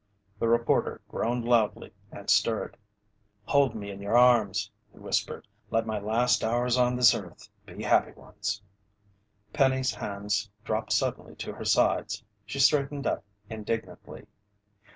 The reporter groaned loudly and stirred. "Hold me in your arms," he whispered. "Let my last hours on this earth be happy ones." Penny's hands dropped suddenly to her sides. She straightened up indignantly.